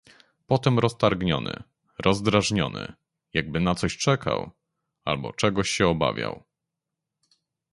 "Przytem roztargniony, rozdrażniony, jakby na coś czekał, albo czegoś się obawiał."